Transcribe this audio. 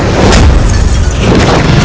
sekarang kita melihat penyakit beli bangkit